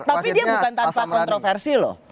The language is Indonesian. tapi dia bukan tanpa kontroversi loh